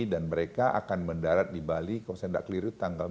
dan mereka akan mendarat di bali kalau saya nggak keliru tanggal enam